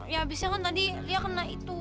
ya habisnya kan tadi lia kena itu